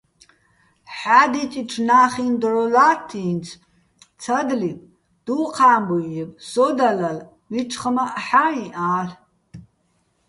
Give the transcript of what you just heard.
ჰ̦ა́დიწიჩო̆ ნა́ხიჼ დრო ლათთ ი́ნც: ცადლიბ, დუჴ ა́მბუჲ ჲებ, სოდა ლალ, მიჩხმაჸ ჰ̦აიჼ ალ'.